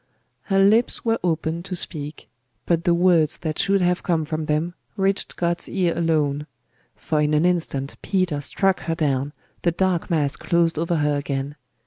Her lips were opened to speak: but the words that should have come from them reached God's ear alone; for in an instant Peter struck her down, the dark mass closed over her again....